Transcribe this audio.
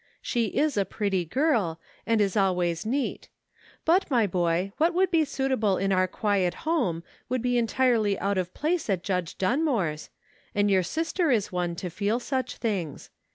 " She is a pretty girl, and is always neat. But, my boy, what would be suitable in our quiet home would be entirely out of place at Judge Dunmore's, and your sister is one to feel such things.